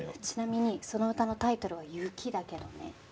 ちなみにその歌のタイトルは『ゆき』だけどね。